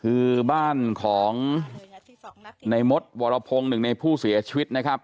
คือบ้านของในมดวรพงศ์หนึ่งในผู้เสียชีวิตนะครับ